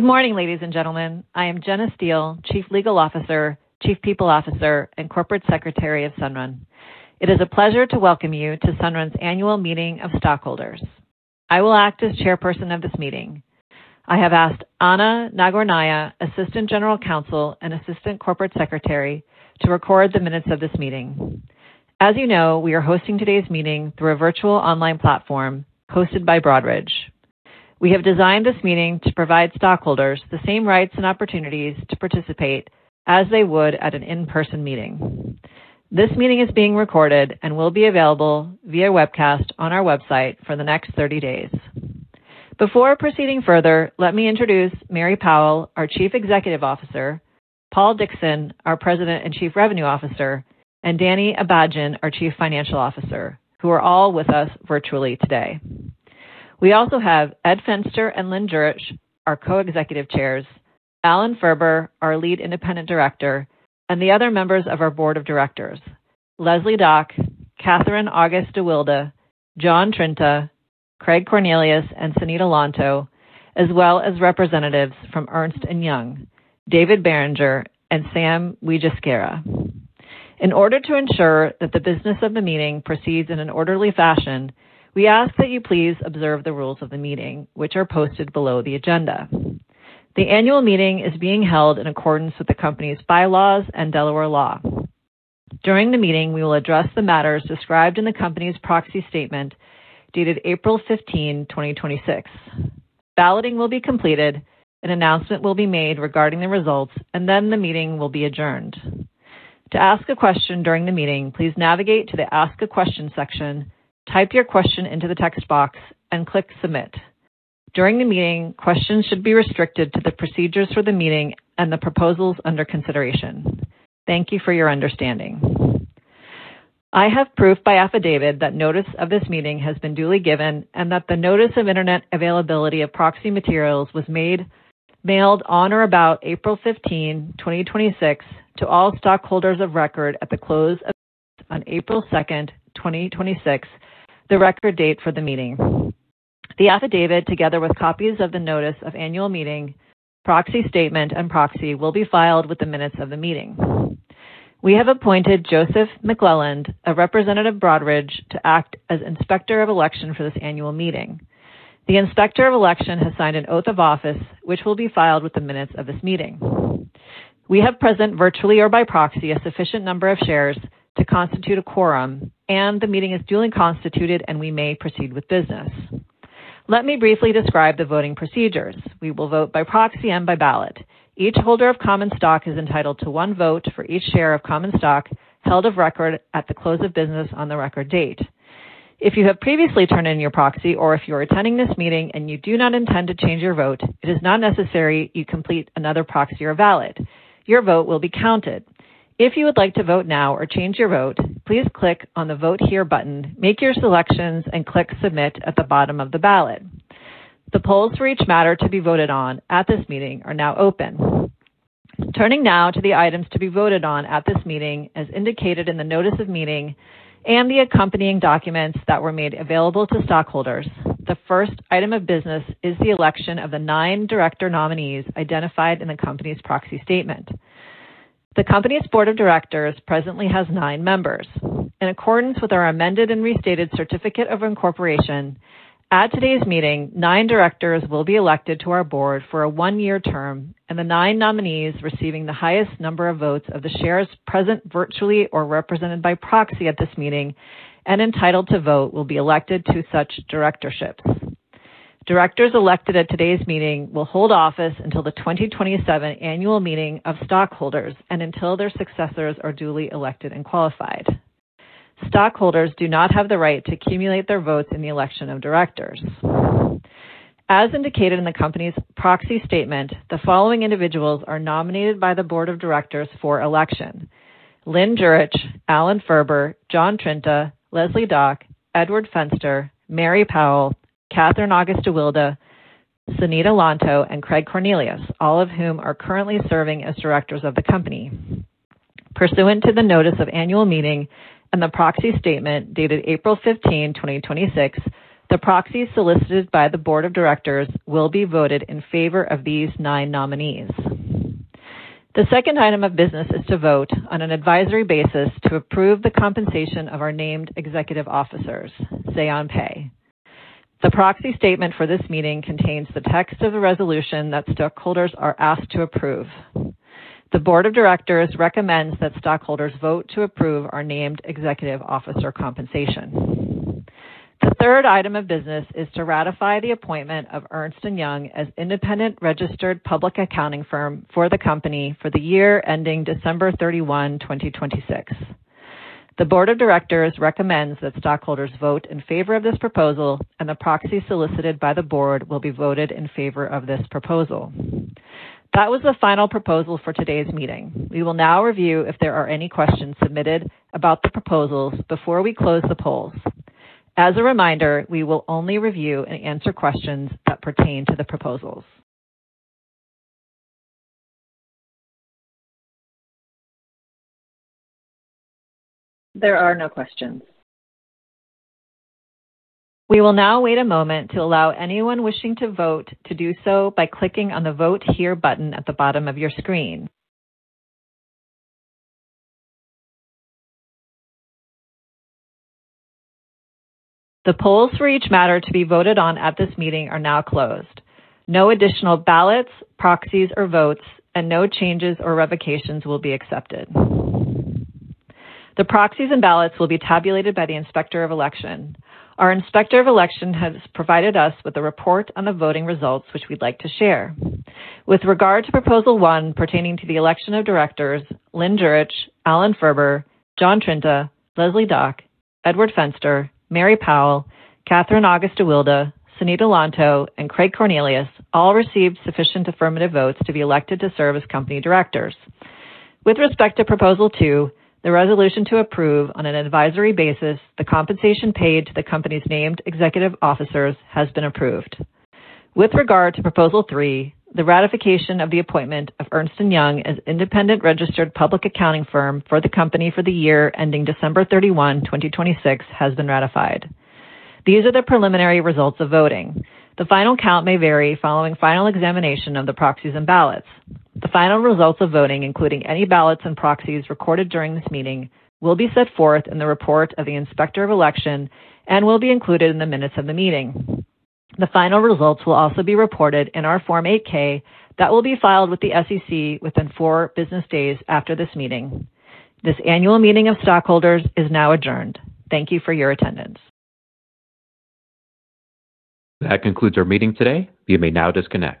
Good morning, ladies and gentlemen. I am Jeanna Steele, Chief Legal Officer, Chief People Officer, and Corporate Secretary of Sunrun. It is a pleasure to welcome you to Sunrun's annual meeting of stockholders. I will act as Chairperson of this meeting. I have asked Anna Nagornaia, Assistant General Counsel and Assistant Corporate Secretary, to record the minutes of this meeting. As you know, we are hosting today's meeting through a virtual online platform hosted by Broadridge. We have designed this meeting to provide stockholders the same rights and opportunities to participate as they would at an in-person meeting. This meeting is being recorded and will be available via webcast on our website for the next 30 days. Before proceeding further, let me introduce Mary Powell, our Chief Executive Officer, Paul Dickson, our President and Chief Revenue Officer, and Danny Abajian, our Chief Financial Officer, who are all with us virtually today. We also have Ed Fenster and Lynn Jurich, our Co-Executive Chairs, Alan Ferber, our Lead Independent Director, and the other members of our Board of Directors, Leslie Dach, Katherine August-deWilde, John Trinta, Craig Cornelius, and Sonita Lontoh, as well as representatives from Ernst & Young, David Barringer and Sam Wijesekera. In order to ensure that the business of the meeting proceeds in an orderly fashion, we ask that you please observe the rules of the meeting, which are posted below the agenda. The annual meeting is being held in accordance with the company's bylaws and Delaware law. During the meeting, we will address the matters described in the company's proxy statement dated April 15, 2026. Balloting will be completed, an announcement will be made regarding the results, and then the meeting will be adjourned. To ask a question during the meeting, please navigate to the Ask a Question section, type your question into the text box, and click Submit. During the meeting, questions should be restricted to the procedures for the meeting and the proposals under consideration. Thank you for your understanding. I have proof by affidavit that notice of this meeting has been duly given and that the notice of Internet availability of proxy materials was mailed on or about April 15, 2026, to all stockholders of record at the close of on April 2nd, 2026, the record date for the meeting. The affidavit, together with copies of the notice of annual meeting, proxy statement, and proxy, will be filed with the minutes of the meeting. We have appointed Joseph McClelland, a Representative of Broadridge, to act as Inspector of Election for this annual meeting. The Inspector of Election has signed an oath of office, which will be filed with the minutes of this meeting. We have present, virtually or by proxy, a sufficient number of shares to constitute a quorum, and the meeting is duly constituted, and we may proceed with business. Let me briefly describe the voting procedures. We will vote by proxy and by ballot. Each holder of common stock is entitled to one vote for each share of common stock held of record at the close of business on the record date. If you have previously turned in your proxy, or if you are attending this meeting and you do not intend to change your vote, it is not necessary you complete another proxy or ballot. Your vote will be counted. If you would like to vote now or change your vote, please click on the Vote Here button, make your selections, and click Submit at the bottom of the ballot. The polls for each matter to be voted on at this meeting are now open. Turning now to the items to be voted on at this meeting, as indicated in the notice of meeting and the accompanying documents that were made available to stockholders. The first item of business is the election of the nine director nominees identified in the company's proxy statement. The company's Board of Directors presently has nine members. In accordance with our amended and restated certificate of incorporation, at today's meeting, nine directors will be elected to our board for a one-year term, and the nine nominees receiving the highest number of votes of the shares present virtually or represented by proxy at this meeting and entitled to vote will be elected to such directorship. Directors elected at today's meeting will hold office until the 2027 annual meeting of stockholders and until their successors are duly elected and qualified. Stockholders do not have the right to accumulate their votes in the election of directors. As indicated in the company's proxy statement, the following individuals are nominated by the Board of Directors for election: Lynn Jurich, Alan Ferber, John Trinta, Leslie Dach, Edward Fenster, Mary Powell, Katherine August-deWilde, Sonita Lontoh, and Craig Cornelius, all of whom are currently serving as directors of the company. Pursuant to the notice of annual meeting and the proxy statement dated April 15, 2026, the proxies solicited by the board of directors will be voted in favor of these nine nominees. The second item of business is to vote on an advisory basis to approve the compensation of our named executive officers, say on pay. The proxy statement for this meeting contains the text of the resolution that stockholders are asked to approve. The board of directors recommends that stockholders vote to approve our named executive officer compensation. The third item of business is to ratify the appointment of Ernst & Young as independent registered public accounting firm for the company for the year ending December 31, 2026. The board of directors recommends that stockholders vote in favor of this proposal, and the proxy solicited by the board will be voted in favor of this proposal. That was the final proposal for today's meeting. We will now review if there are any questions submitted about the proposals before we close the polls. As a reminder, we will only review and answer questions that pertain to the proposals. There are no questions. We will now wait a moment to allow anyone wishing to vote to do so by clicking on the Vote Here button at the bottom of your screen. The polls for each matter to be voted on at this meeting are now closed. No additional ballots, proxies, or votes, and no changes or revocations will be accepted. The proxies and ballots will be tabulated by the Inspector of Election. Our Inspector of Election has provided us with a report on the voting results, which we'd like to share. With regard to Proposal 1, pertaining to the election of directors, Lynn Jurich, Alan Ferber, John Trinta, Leslie Dach, Edward Fenster, Mary Powell, Katherine August-deWilde, Sonita Lontoh, and Craig Cornelius all received sufficient affirmative votes to be elected to serve as company directors. With respect to Proposal 2, the resolution to approve on an advisory basis the compensation paid to the company's named executive officers has been approved. With regard to Proposal 3, the ratification of the appointment of Ernst & Young as independent registered public accounting firm for the company for the year ending December 31, 2026, has been ratified. These are the preliminary results of voting. The final count may vary following final examination of the proxies and ballots. The final results of voting, including any ballots and proxies recorded during this meeting, will be set forth in the report of the Inspector of Election and will be included in the minutes of the meeting. The final results will also be reported in our Form 8-K that will be filed with the SEC within four business days after this meeting. This annual meeting of stockholders is now adjourned. Thank you for your attendance. That concludes our meeting today. You may now disconnect.